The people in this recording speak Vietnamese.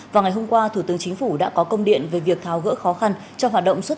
vào ngày hôm qua thủ tướng chính phủ đã có công điện về việc tháo gỡ khó khăn cho hoạt động xuất